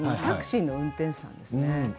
タクシーの運転手さんですね